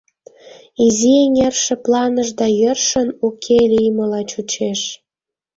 Изи эҥер шыпланыш да йӧршын уке лиймыла чучеш.